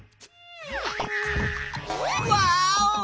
ワーオ！